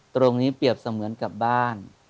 ตรงนี้เปรียบเสมือนกับบ้าน